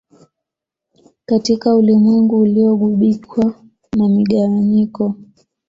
Katika ulimwengu uliogubikwa na migawanyiko